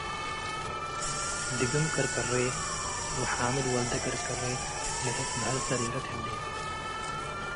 ድግም ቅርቅሬ ወሓምድ ወልደ ቅርቅሬ ለትትበሀል ሰሬረት ሀሌት።